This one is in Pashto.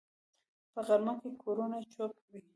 په غرمه کې کورونه چوپ وي